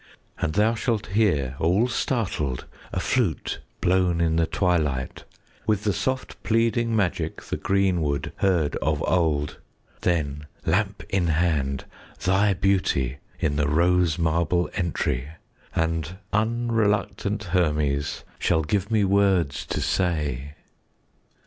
And thou shalt hear, all startled, A flute blown in the twilight, 10 With the soft pleading magic The green wood heard of old. Then, lamp in hand, thy beauty In the rose marble entry! And unreluctant Hermes 15 Shall give me words to say.